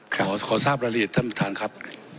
ขอทราบรายละเอียดท่านประธานครับ